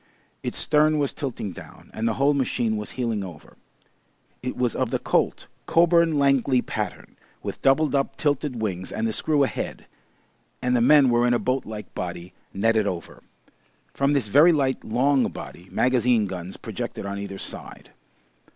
Its stern was tilting down, and the whole machine was heeling over. It was of the Colt Coburn Langley pattern, with double up tilted wings and the screw ahead, and the men were in a boat like body netted over. From this very light long body, magazine guns projected on either side.